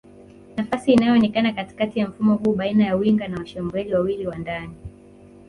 Nafasi inayoonekana katikati ya mfumo huu baina ya winga na washambuliaji wawili wa ndani